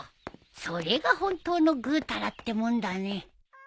それが本当のぐうたらってもんだね。